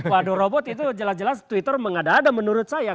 waduh robot itu jelas jelas twitter mengada ada menurut saya